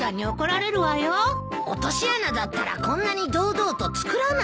落とし穴だったらこんなに堂々と作らないよ。